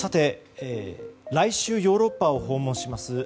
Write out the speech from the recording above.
来週ヨーロッパを訪問します